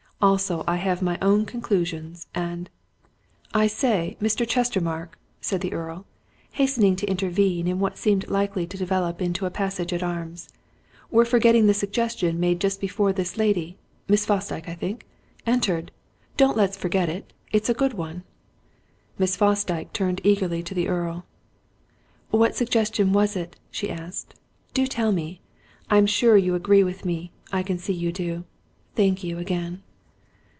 Also I have my own conclusions, and " "I say, Mr. Chestermarke!" said the Earl, hastening to intervene in what seemed likely to develop into a passage at arms. "We're forgetting the suggestion made just before this lady Miss Fosdyke, I think? entered. Don't let's forget it it's a good one." Miss Fosdyke turned eagerly to the Earl. "What suggestion was it?" she asked. "Do tell me? I'm sure you agree with me I can see you do. Thank you, again!"